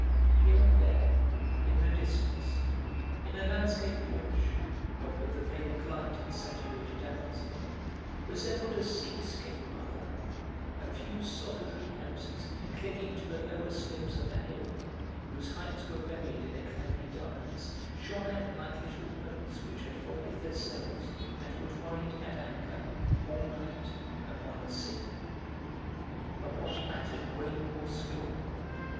Here and there, in the distance, in a landscape which, what with the failing light and saturated atmosphere, resembled a seascape rather, a few solitary houses clinging to the lower slopes of a hill whose heights were buried in a cloudy darkness shone out like little boats which had folded their sails and would ride at anchor, all night, upon the sea. But what mattered rain or storm?